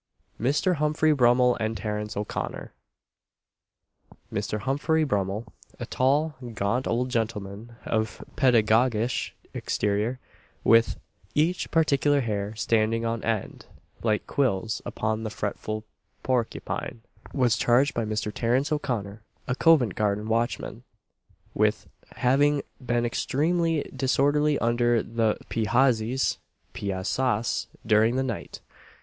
MR. HUMPHREY BRUMMEL AND TERENCE O'CONNOR. Mr. Humphrey Brummel, a tall, gaunt old gentleman, of pedagogue ish exterior, with each particular hair standing on end, like quills upon the fretful porcupine, was charged by Mr. Terence O'Connor, a Covent garden watchman, with having been extramely disorderly under the pehazies (piazzas) during the night.